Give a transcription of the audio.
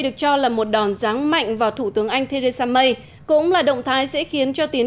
được cho là một đòn ráng mạnh vào thủ tướng anh theresa may cũng là động thái sẽ khiến cho tiến